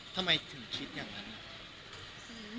ทำไมถึงคิดอย่างนั้น